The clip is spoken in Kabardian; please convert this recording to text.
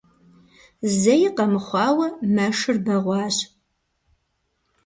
Зэи къэмыхъуауэ, мэшыр бэгъуащ.